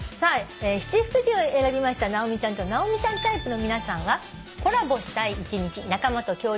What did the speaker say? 「七福神」を選びました直美ちゃんと直美ちゃんタイプの皆さんは。